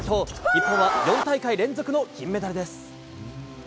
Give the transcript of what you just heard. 日本は４大会連続の銀メダルです。